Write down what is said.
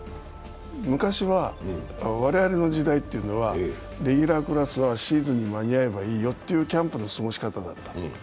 昔は我々の時代というのはレギュラークラスはシーズンに間に合えばいいよというキャンプの過ごし方だった。